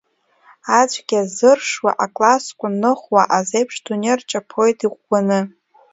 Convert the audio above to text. Ацәгьа зыршуа аклассқәа ныхуа, азеиԥш дунеи рчаԥоит иӷәӷәаны.